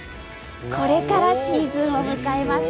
これからシーズンを迎えます